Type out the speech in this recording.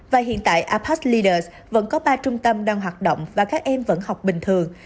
và hiện tại apard lears vẫn có ba trung tâm đang hoạt động và các em vẫn học bình thường